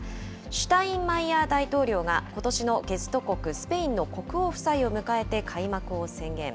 シュタインマイヤー大統領がことしのゲスト国、スペインの国王夫妻を迎えて開幕を宣言。